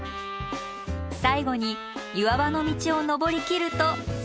最後に岩場の道を登りきると山頂です。